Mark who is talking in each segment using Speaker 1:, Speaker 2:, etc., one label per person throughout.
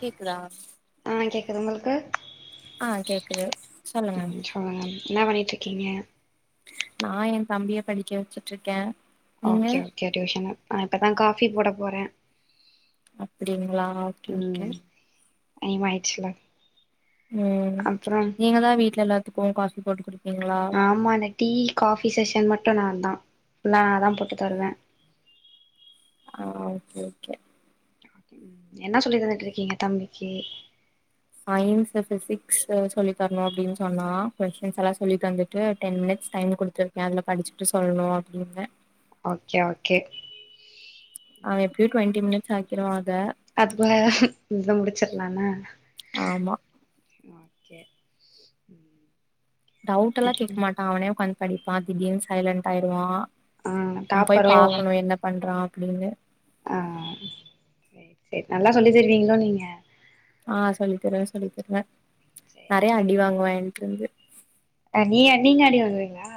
Speaker 1: கேக்குதா
Speaker 2: இதுங்களுக்கு
Speaker 1: ஆ கேக்குது சொல்லுங்க
Speaker 2: சொல்லுங்க என்ன பண்ணிட்டுரு கீங்க
Speaker 1: நா எ தம்பிய படிக்க வச்சுட்டு இருக்கே
Speaker 2: ஓகே ஓகே டியூஷன் நா இப்பதா காஃபி போட போறே
Speaker 1: அப்படிங்களா ஓகே ஓகே
Speaker 2: டைமாய்ச்சில
Speaker 1: ம் நீங்க தா வீட்ல எல்லா க்கு காபி போட்டு குடு
Speaker 2: ஆமா அந்த டீ காபி செஷன் மட் டு நா தா நா தா போட்டு தருவே
Speaker 1: ஆ ஓகே ஓகே
Speaker 2: என்ன சொல்லி தந்துட்டு இருக்கீங்க தம்பிக்கு
Speaker 1: சயின்ஸ் பிசிக்ஸ் சொல்லி தரணு அப்படின் சொன்னா கொஸிடின்ஸ் எல்லா சொல்லி தந்துட்டு டென் மினிட்ஸ் டைம் குடுத்துருக்கே அதுல படிச்சுட்டு சொல்லணு அப்படின்ன
Speaker 2: ஓகே ஓகே
Speaker 1: ஆவன் எப்படியும் டுவெண்டி மினிட்ஸ் ஆகிடுவ
Speaker 2: அதுவ [unintelligible] முடி வச்சரலாமா
Speaker 1: ஆமா
Speaker 2: ஓகே
Speaker 1: டவுட் எல்லாம் கேக்க
Speaker 2: ம்
Speaker 1: மாட்டா அவனே உக்காந்து படிப்பான் திடீர்னு சைலண்ட் ஆயிருவான்
Speaker 2: ஆ
Speaker 1: நா போய்
Speaker 2: டாப்பரோ
Speaker 1: பார்கக்கணும் என்ன பண்றான் அப்படின்னு
Speaker 2: ஆஹ் சரி சரி நல்லா சொல்லி தருவீங்களோ நீங்க
Speaker 1: ஆஹ் சொல்லி தருவே சொல்லி தருவே நிறைய அடி வாங்குவ இருந்து
Speaker 2: நீ நீங்க அடி வாங்குவீங்களா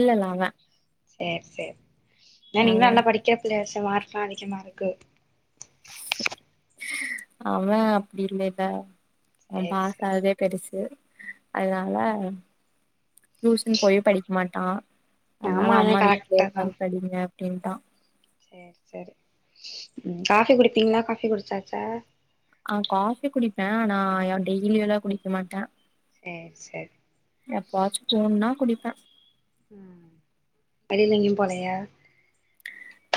Speaker 1: இல்ல இல்லஅவ
Speaker 2: செரி செரி நீங்கெ எல்லாம் படிக்கிற பிள்ளையா மார்க்லாம் அதிகமா இருக்கு
Speaker 1: அவன் அப்படி இல்லலே அவ
Speaker 2: சேர்
Speaker 1: பாஸ்
Speaker 2: சேர்
Speaker 1: அதே பெருசு அதனால டியூசன் போயு படிக்க மாட்டா அதனால
Speaker 2: ஆமா அது
Speaker 1: அம்மா வீட்டு்லயே உக்காந்து படிங்க அப்டின்டான்
Speaker 2: செரி சரி காஃபி குடிப்பீங்களா காஃபி குடிச்சாச்சா
Speaker 1: ஆஹ் காஃபி குடிப்பே ஆனா டெய்லியல்லா குடிக்க மாட்டே
Speaker 2: சேர் சேரி
Speaker 1: எப்பவாச்சு தோணுனா குடிப்ப
Speaker 2: உம் வெளில எங்கயு போலையா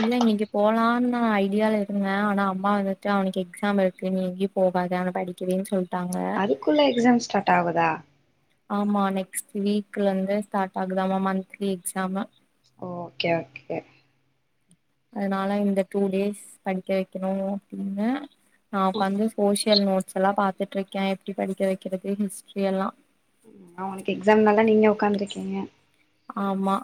Speaker 1: இல்ல இன்னைக்கு போலான்னு நா ஐடியால இருந்தே ஆனா அம்மா வந்துட்டு அவனுக்கு எக்ஸாம் இருக்கு நீ எங்கயு போகாத அவன படிக்கவைன்னு சொல்
Speaker 2: அதுக்குள்ள எக்ஸாம் ஸ்டார்ட் ஆவுதா
Speaker 1: ஆமா நெக்ஸ்ட் வீக்ல இருந்து ஸ்டார்ட் ஆகுதாமா மந்த்லி எக்ஸாமு
Speaker 2: ஓகே ஓகே
Speaker 1: அதனால இந்த டூ டேஸ் படிக்க வைக்கணு அப்டின்னு நா உக்காந்து சோஷி யல் நோட்ஸ் எல்லா பாத்துட்டு இருக்கே எப்டி படிக்க வைக்கிறது ஹிஸ்ட்ரி எல்லா
Speaker 2: அவனுக்கு எக்ஸாம்னால நீங்க உக்காந்துருக்கீங்க
Speaker 1: ஆமா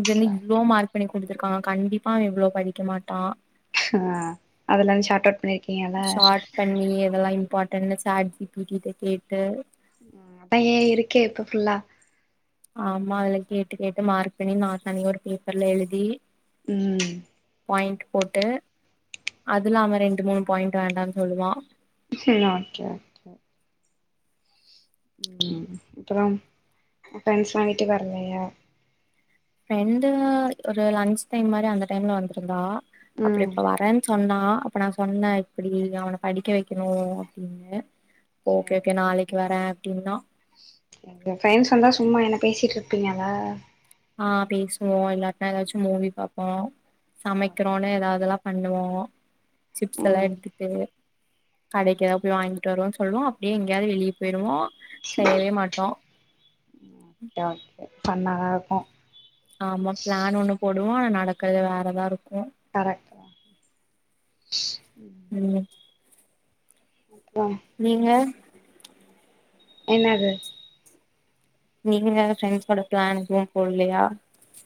Speaker 1: இதென்ன இவ்ளோ மார்க் பண்ணி குடுத்துருக்காங்க கண்டிப்பா அவன் இவ்ளோ படிக்க மாட்டான்
Speaker 2: ஆஹ் அதல்லா ஷார்ட் அவுட் பண்ணிருக்கீங்களா
Speaker 1: இம்பார்ட்டண்ட்னு சாட்ஜிபி கிட்ட கேட்டு
Speaker 2: அதா ஏ இருக்கே இப்ப ஃபுல்லா
Speaker 1: ஆமா அதுல கேட்டு கேட்டு மார்க் பண்ணி நா தனியா ஒரு பேப்பர்ல எழுதி
Speaker 2: உம்
Speaker 1: பாயிண்ட் போட்டு அதுலாம ரெண்டு மூணு பாயிண்ட் வேண்டானு சொல்லுவான்
Speaker 2: செரி ஓகே ஓகே ஓகே உம் அப்பறம் ஃபிரண்டஸ்லா வீட்டுக்கு வர்லையா
Speaker 1: ப்ரெண்டு ஒரு லன்ச் டைம் மாரி அந்த டைம்ல வந்திருந்தா அப்ரோ
Speaker 2: ம்
Speaker 1: இப்ப வரேன்னு சொன்னா ஆஹ் அப்ப நா சொன்னே இப்படி அவனை படிக்க வைக்கணு அப்டின்னு ஓகே
Speaker 2: சேரி
Speaker 1: ஓகே நாளைக்கு வரே டி னா
Speaker 2: எங்க ஃபிரண்ட்ஸ் வந்தா சும்மா என்ன பேசிட்டு இருப்பீங்களா
Speaker 1: ஆஹ் பேசுவோ இல்லாட்னா எதாச்சு மூவி பாப்போ
Speaker 2: ஓகே
Speaker 1: சமைக்கிறோனு
Speaker 2: ஓகே
Speaker 1: எதாவதுல்லா பண்ணுவோ சிப்ஸ் எல்லா
Speaker 2: ம்
Speaker 1: எடுத்துட்டு கடைக்கு எதாவது போய் வாங்கிட்டு போய்ட்டு வருவோம்னு சொல்லுவோ அப்டியே எங்கேயாது வெளிய போயிருவோ செய்யவே மாட்டோ
Speaker 2: ஃபண் தா இருக்கு
Speaker 1: ஆமா ப்ளான் ஒண்ணு போடு வோ அன நடக்கறது வேறதா இருக்கு.
Speaker 2: கரெ
Speaker 1: உம்
Speaker 2: அப்றோ
Speaker 1: நீங்க
Speaker 2: என்னது
Speaker 1: நீங்க எதாது ஃப்ரெண்ட்ஸ்கூட பிளான் எதுவு போட்லயா?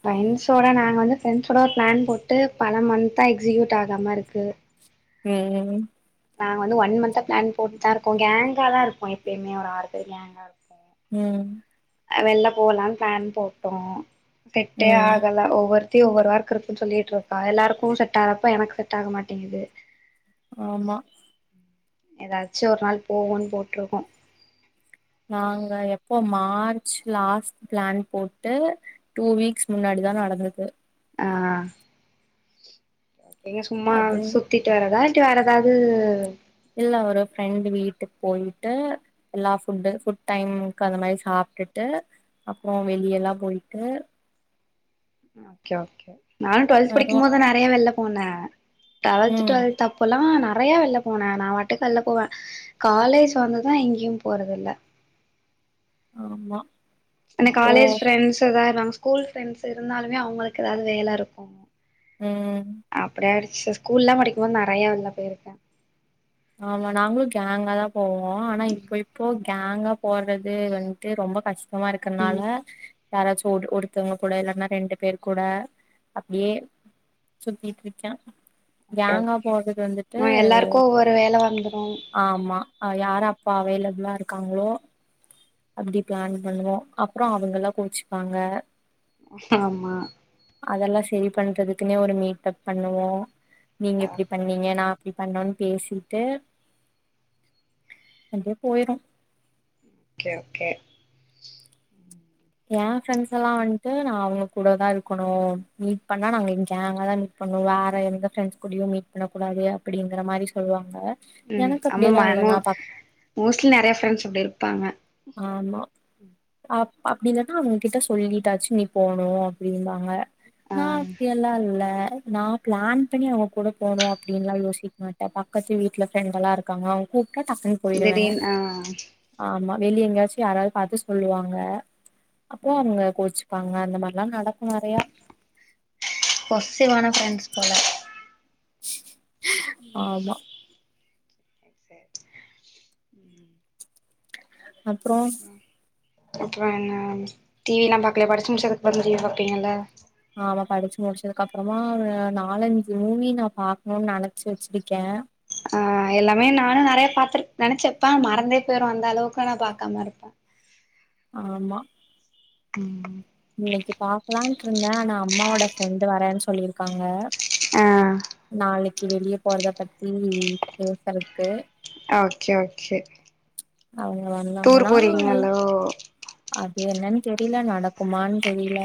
Speaker 2: ஃப்ரெண்ட்ஸோட நாங்க வந்து ஃப்ரெண்ட்ஸோட ஒரு பிளான் போட்டு பல மந்த்தா எக்ஸிக்யூட் ஆகாம இருக்கு.
Speaker 1: உம் ம்
Speaker 2: நாங்க வந்து ஒன் மன்த்தா பிளான் போட்டு தா இருக்கோ. கேங்காதா இருப்போ எப்பயுமே. ஒரு ஆறு பேர் கேங்கா இருப்போ.
Speaker 1: உம்
Speaker 2: வெள்ல போலான் ப்ளான் போட்டோ. செட்டே
Speaker 1: ம்
Speaker 2: ஆகல ஒவ்வொர் த்தி ஒவ்வொரு வொர்க் இருக்குன் சொல்லிட்டு இருக்கா. எல்லாருக்கு செட் ஆறப்ப எனக்கு செட் ஆக மாட்டேங்குது.
Speaker 1: ஆமா
Speaker 2: ஏதாச்சு ஒரு நாள் போவோனு போட்ருக்கோ.
Speaker 1: நாங்க எப்போ மார்ச் லாஸ்ட் பிளான் போட்டு டூ வீக்ஸ் முன்னாடிதா நடந்தது.
Speaker 2: ஆஹ் எங்க சும்மா
Speaker 1: அது
Speaker 2: சுத்திட்டு வரதா? டு அறதாது
Speaker 1: இல்ல ஒரு ஃப்ரெண்ட் வீட்டுக் போய்ட்டு எல்லா ஃபுட்டு புட் டைம்கு அந்த மாரி சாப்ட்டுட்டு அப்றோ வெளியெல்லா போய் அ
Speaker 2: ஓக்கே ஓக்கே நானு டுவல்த்
Speaker 1: வரோ
Speaker 2: படிக்கும்போது நறைய வெளிய போல டவல்த்
Speaker 1: ம்
Speaker 2: டுவல்த் அப்பொல்லா நறையா வெள்ல போன நா வாட்டுக்கு வெள்ல போவ. காலேஜ் வந்துதா எங்கயு போறதில்ல.
Speaker 1: ஆமா
Speaker 2: ஏனா
Speaker 1: இப்போ
Speaker 2: காலேஜ் ஃப்ரெண்ட்ஸ்தா ஏதா ஸ்கூல் ஃப்ரெண்ட்ஸ் இருந்தாலுமே அவுங்களுக்கு ஏதாது வேல இருக்கோ
Speaker 1: ம்
Speaker 2: சு ஸ்கூல்லா படிக்கும்போ நறையா வெல்ல போயிருக்கே
Speaker 1: ஆமா நாங்களும் கேங்காதா போவோ ஆனா இப்ப இப்போ கேங்கா போறது வந்ட்டு ரொம்ப கஷ் டமா இருக்கறனால
Speaker 2: ம்
Speaker 1: யாராச்சு ஒட் ஒடுத்தவங்க கூட இல்லன்னா ரெண்டு பேரு கூட அப்டியே சுத்தீட்ருக்கா
Speaker 2: ஓகே
Speaker 1: கேங்கா
Speaker 2: ஓகே
Speaker 1: போறதது வந்துட்டு
Speaker 2: ஆ எல்லாருக்கு ஒவ்வொரு வேல வந்துரு
Speaker 1: ஆமா யார அப்பா அவேல நல்லா இருக்காங்களோ அப்படி பிளான் பண்ணுவோம் அப்பறம் அவுங்க எல்லாம் கோச்சுப்பாங்க
Speaker 2: ஆமா
Speaker 1: அதெல்லாம் சரி பண்றதுக்குன்னே ஒரு மீட்டப் பண்ணுவோம் நீங்க எப்படி பண்ணீங்க நான் அப்படி பண்ணோன்னனு பேசிட்டு அப்டியே போயிரும்
Speaker 2: ஓகே ஓகே
Speaker 1: என் ஃப்ரெண்ட்ஸ் எல்லாம் வந்துட்டு நான் அவுங்க கூடதான் இருக்கணும் மீட் பண்ணா நாங்க கேங் தான் மீட் பண்ணும் வேற எந்த ஃப்ரெண்ட்ஸ் கூடயும் மீட் பண்ண கூடாது அப்படிங்கற மாரி சொல்லுவாங்க
Speaker 2: உம்
Speaker 1: எனக்கு அப்டியெல்லா
Speaker 2: அம்மம்மா
Speaker 1: இல்ல
Speaker 2: எமோ
Speaker 1: நா பக்
Speaker 2: மோஸ்ட்லி நறைய ஃப்ரெண்ட்ஸ் அப்டி இருப்பாங்க
Speaker 1: ஆமா அப் அப்படில்லானா அவங்ககிட்ட சொல்லிட்டாச்சு நீ போனும் அப்படி இருந்தாங்க
Speaker 2: ஆ
Speaker 1: நான் அப்டிஅல்லா அல்ல நான் பிளான் பண்ணி அவுங்க கூட போனும் அப்படின்னுலாம் யோசிக்க மாட்டேன் பக்கத்து வீட்டுல ஃப்ரெண்ட எல்லாம் இருக்காங்க அவுங்க கூட
Speaker 2: தெரின் ஆ
Speaker 1: ஆமா வெளிய எங்கயாச்சும் யாராவது பார்த்து சொல்லுவாங்க அப்போ அவங்க கோச் ப்பாங்க அந்த மாதிரி லாம் நடக்கும் நெறையா
Speaker 2: போசசிவ்வான ஃப்ரெண்ட்ஸ் போல
Speaker 1: ஆமா அப்ரோ
Speaker 2: அப்பறம் என்ன டி வில எல்லாம் பாக்கல படிச்சு முடிச்சதுக்கு வந்து டி வி பாப்பீங்கல்ல
Speaker 1: ஆமா படிச்சு முடிச்சதுக்கு அப்புறமா நாலஞ்சு மூவி நா பாக்கணும்னு நினைச்சு வச்சிருக்கே
Speaker 2: ஆ எல்லாமே நானும் நிறைய பார்த்த நினைச்சப்பே மறந்தே போயரும் வந்த அளவுக்கு நா பாக்காம இருப்ப
Speaker 1: ஆமா
Speaker 2: உம்
Speaker 1: இன்னைக்கு பாக்கலான்ட்டு இருந்தே ஆனா அம்மாவோட ஃப்ரெண்டு் வரேன்னு சொல்லியிருக்காங்க
Speaker 2: ஆ
Speaker 1: வெளியே போறத பத்தி பேசதறக்கு
Speaker 2: ஓகே ஓகே
Speaker 1: அவங்க
Speaker 2: டூர்
Speaker 1: வந்தாங்கன்னா இல்ல
Speaker 2: போறீங்கல்லோ
Speaker 1: அது என்னன்னு தெரியல நடக்குமான்னு தெரியல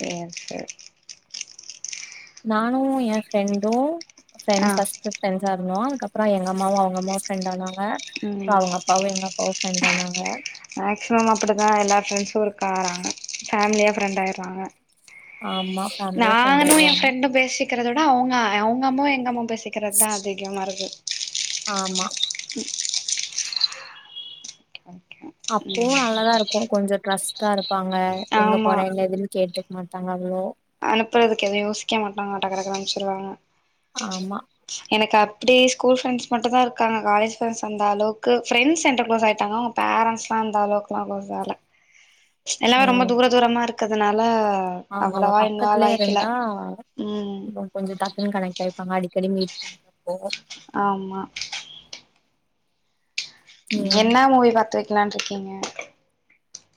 Speaker 2: சேர் சேர்
Speaker 1: நானும் எ ஃப்ரெண்டு
Speaker 2: ஆ
Speaker 1: ப்ரெண்ட்ஸ் ஃபஸ்ட் ஃப்ரெண்ட்ஸ்சா அதுக்கப்புறம் எங்க அம்மாவ அவங்க அம்மாவ ஃப்ரெண் ஆனாக அ அப்பறம்
Speaker 2: ம்
Speaker 1: அவங்க அவ எங்க அப்பாவு ஃப்ரெண்ட் ஆனாங்க
Speaker 2: மக்சிமம் அப்டிதா எல்லா ஃப்ரெண்ட்ஸு இருக்கறாங்க ஃபமிலியா ஃப்ரெண்ட் ஆய்றாங்க
Speaker 1: ஆம்மா ஃபமிலியா ப்ரெண்டு ஆயிரூவாங்க
Speaker 2: இருகறதோட அவங்க அவங்கம்மாவு எங்கம்மா பேசிக்கிறதா அதிகமா இருக்கு
Speaker 1: ஆமா அப்போ
Speaker 2: ம்
Speaker 1: நல்லாதா இருக்கு கொஞ்சோ ட்ரஸ் தரோ இருப்பாங்க எங்க
Speaker 2: ஆமா
Speaker 1: போற என்ன எதுன் கேட்டு மாட்டாங்க அவங்களு
Speaker 2: அனுப்புறதுக்கு எதுவு யோசிக்க மாட்டாங்க டக்க டக்கனு அனுச்சிடுவாங்க
Speaker 1: ஆமா
Speaker 2: இப்டி ஸ்கூல் ஃப்ரெண்ஸ் மட்டு தா இருக்காங்க காலேஜ் ப்ரெண்ஸ் அந்த அளவுக்கு ஃப்ரெண்ட்ஸ் என்ட்ட க்ளோஸ் ஆய்ட்டாங்க அவங்க பரண்ஸ்லா அந்த அளவுக்குலா க்ளோஸ் ஆல எல்லாமே ரொம்ப
Speaker 1: ம்
Speaker 2: தூர தூரமா இருக் அதுனால ஆ அவ்
Speaker 1: அவ பக்கத்துலயே இருந்தா
Speaker 2: ம்
Speaker 1: கொஞ்சோ டக்குன் கணெக்ட் ஆய் அங்க அடிக்கடி மீட் பண்றப்போ
Speaker 2: ஆமா
Speaker 1: ம்
Speaker 2: என்னா மூவி பாத்து கல்லா இருக்கீங்க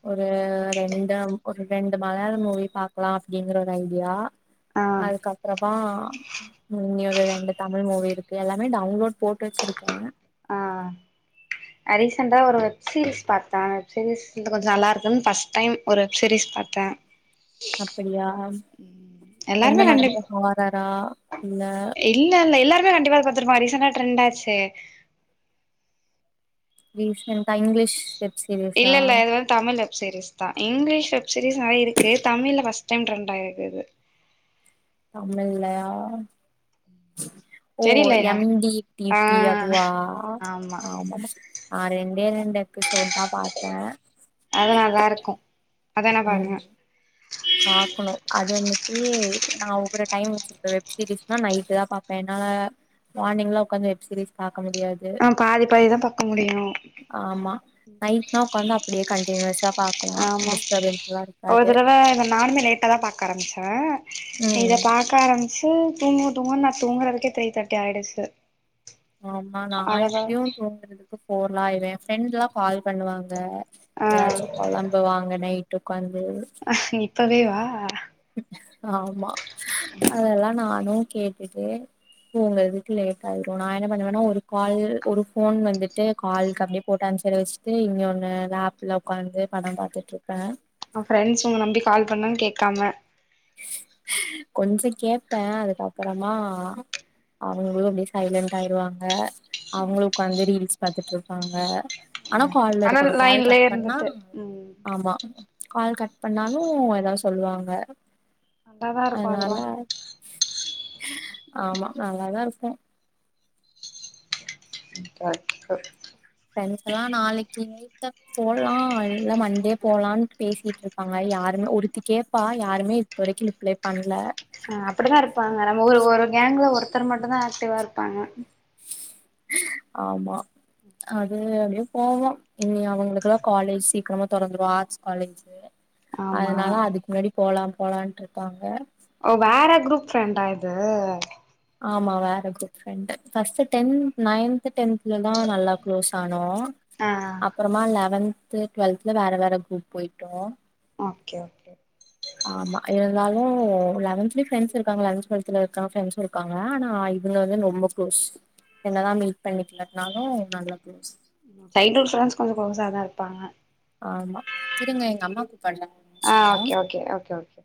Speaker 1: ஒரு ரெண்டு ஒரு ரெண்டு மலயாளோ மூவி பாக்கலா அப்டிங்கிற ஒரு ஐடியா
Speaker 2: ஆ
Speaker 1: அதுக்கப்றமா ம் இன்னி ஒரு ரெண்டு தமிழ் மூவி இருக்கு எல்லாமே டவுன்லோட் போட்டு வச்சிருக்க
Speaker 2: ரீசன்டா ஒரு வெப்சீரிஸ் பாத்த வெப்சீரிஸ் இன்னு கொஞ்சோ நல்லா இருக்குன் பஸ்ட் டைம் ஒரு வெப்சீரிஸ் பாத்த
Speaker 1: அப்படியா எந்த
Speaker 2: எல்லாருமே
Speaker 1: மாதிரியா
Speaker 2: கண்டிப்
Speaker 1: ஹாரரா இல்ல
Speaker 2: பதிருகோம் ரீசன்டா டரெண்ட் ஆச்சே
Speaker 1: ரீசென்டா இங்லிஷ்
Speaker 2: இல்ல இல்ல இது வந்து தமிழ் வெப்சீரிஸ் தா இங்லீஷ் வெப் சீரிஸ் நெறைய இருக்கு தமிழ்ல பஸ்ட் டைம் ட்ரெண்ட் ஆய்ருக்கு இது
Speaker 1: தமிழ்லயா ஓ
Speaker 2: தெரிலையா
Speaker 1: எம் டி டி
Speaker 2: ஆ
Speaker 1: பி அதுவா
Speaker 2: ஆமா
Speaker 1: ஆ ஆமாமா ஆ ரெண்டே ரெண்டு எபிசோட் தா பாத்த
Speaker 2: அது நல்லா இருக்கு அதான பாருங்க
Speaker 1: பாாரக்கணும் அது வந்துட்டு நான் ஒவ்வொரு டைம் வச்சிருப்பேன் வெப் சீரியஸ்னா நைட் தா பாார்ப்பேன் என்னால மார்னிங் எல்லாம் உக்காந்து வெப்சீரிஸ் பா முடியாது
Speaker 2: ஆ பாதி பாதிதா பாக்க முடியு
Speaker 1: ஆமா நைட்னா உக்காந்து அப்படிய கண்டி நியூஸ்ஸா பார்கக்கலாம் டிஸ்டர்பன்ஸ் எல்லாம் இருக்காது
Speaker 2: நானுே லேட்டா தா பா்கக்க ஆரம்மிச்சேன் இத
Speaker 1: ம்
Speaker 2: பாக்கா ஆரம் தூங்கும் தூங்கும் நா தூங்குறதுக்கே த்ரீ தேர்ட்டி ஆயிடுச்சு
Speaker 1: ஆமா நா
Speaker 2: அதவா
Speaker 1: எப்படியும் தூங்குறதுக்கு ஃபோர் ஆயிடும் என் ஃப்ரெண்ட்ல்லாம் கால் பண்ணுவாங்க
Speaker 2: ஆ
Speaker 1: ஏதாச்சும் பொழம்புவாங்க நைட் துக்கான
Speaker 2: அஹ் இப்பவே வா
Speaker 1: ஆமா அதெல்லாம் நானும் கேட்டுட்டு உங்கதுக்கு லேட் ஆயிடும் நா என்ன பண்ணுவேன்னா ஒரு கால் ஒரு போன் வந்துட்டு காலுக்கு அப்படியே போட்ட ஆன்சர் வச்சுட்டு இங்கொன்னு லேப்ல உட்காந்து படம் பாத்துட்டு இருப்பேன்
Speaker 2: ஃப்ரெண்ட்ஸ் உங்க நம்பி கால் பண்ணான்னு கேக்காம
Speaker 1: கொஞ்சம் கேட்பேன் அதுக்கப்புறமா அவங்களும் அப்படியே சைலண்டட் ஆயிருவாங்க அவங்களும் உட்காந்து ரீல்ஸ் பாத்துட்டு இருப்பாங்க ஆனா கால்ல
Speaker 2: ஆனா
Speaker 1: இருக்கணும் கால் கட்
Speaker 2: லைன்லயே
Speaker 1: பண்ணா
Speaker 2: இருந்துட்டு ம்
Speaker 1: ஆமா கால் கட் பண்ணாலும் ஏதாவது சொல்லுவாங்க
Speaker 2: நல்லாதா இருக்கும் அதுவா
Speaker 1: அதனால ஆமா நல்லாதா இருக்கும்
Speaker 2: ஓகே
Speaker 1: போலாம் இல்ல மண்டே போகலான்ட்டு பேசிட்டு இருக்காங்க யாருமே ஒருத்திகேப்பா யாருமே இது வரைக்கும் ரிப்ளை பண்ணல
Speaker 2: ஆஹ் அப்படித்தா இருப்பாங்க நம்ம ஒரு ஒரு கேங்க்ல ஒருத்தர் மட்டும் தா ஆக்டிவா இருக்கும் பாங்க
Speaker 1: ஆமா அது அப்படியே போவோம் இனி அவங்களுக்குல்லாம் காலேஜ் சீக்கிரமா தொடந்து ஆர்ட்ஸ் காலேஜ்
Speaker 2: ஆமா
Speaker 1: அதனால அதுக்கு முன்னாடி போலாம் போலான்ட்டு இருக்காங்க
Speaker 2: ஓ வேற குரூப் ஃப்ரெண்டா இது
Speaker 1: ஆமாம் வேற good friend first tenth ninth டென்த்தல தான் நல்லா க்ளோஸ் ஆனும்
Speaker 2: ஆ
Speaker 1: அப்புறமா லெவன்த் டுவல்தல வேற வேற குரூப் போயிட்டோம்
Speaker 2: ஓகே ஓகே
Speaker 1: ஆமா இருந்தாலும் லெவன்த்லயும் ஃப்ரெண்ட்ஸ் இருக்காங்க லெவன்த் டுவெல்தல இருக்காங்க ஃப்ரண்ட்ஸ்ம் இருக்காங்க ஆனா இதுங்க வந்து ரொம்ப குளோஸ் என்னதா மீட் பண்ணிக்கல நானு நல்லா குளோஸ்
Speaker 2: சைல்ட் வுட் ஃப்ரெண்ட்ஸ் கொஞ்சொ க்ளோஸாதா இருப்பாங்க
Speaker 1: ஆமா இருங்க எங்கம்மகுபுரங்கா ஒரு
Speaker 2: ஆ ஓகே
Speaker 1: நிமிஷம்
Speaker 2: ஓகே ஓகே ஓகே